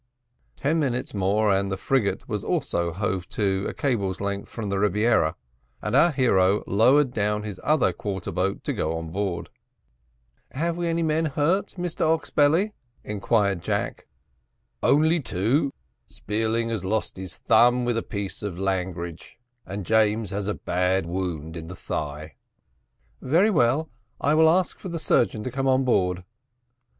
Ten minutes more and the frigate was hove to a cable's length from the Rebiera, and our hero lowered down his other quarter boat to go on board. "Have we any men hurt, Mr Oxbelly?" inquired Jack. "Only two; Spearling has lost his thumb with a piece of langrage, and James has a bad wound in the thigh." "Very well; I will ask for the surgeon to come on board."